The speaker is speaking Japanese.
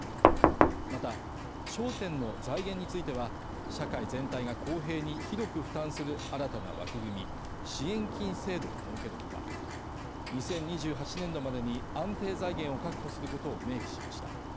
また、焦点の財源については、社会全体が公平に広く負担する新たな枠組み支援金制度を設ける他、２０２８年度までに安定財源を確保することを明記しました。